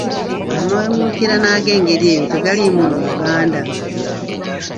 Amawemukirano ag’engeri eyo tegaalimu mu Buganda.